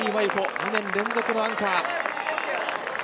２年連続のランナー。